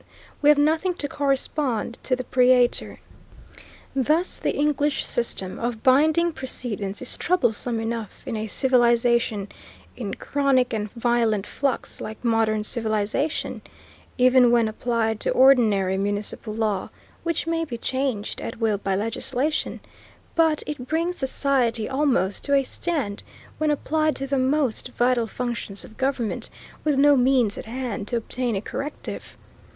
We have nothing to correspond to the praetor. Thus the English system of binding precedents is troublesome enough in a civilization in chronic and violent flux like modern civilization, even when applied to ordinary municipal law which may be changed at will by legislation, but it brings society almost to a stand when applied to the most vital functions of government, with no means at hand to obtain a corrective.